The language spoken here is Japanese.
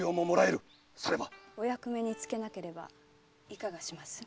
お役目につけなければいかがします？